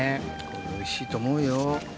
おいしいと思うよ。